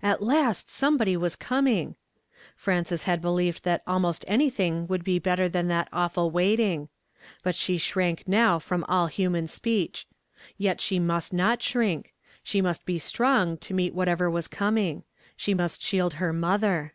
At last some body was coming ! Frances had believed that almost anything would be better than that awful waiting ; but she shrank now from all human S[)eech. Yet she must not shrink ; she must be strong to meet whatever was coming ; she must shield her mother.